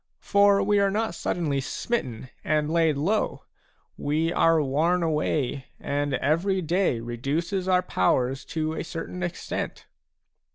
For we are not suddenly smitten and laid low ; we are worn away, and every day reduces our powers to a certain extent."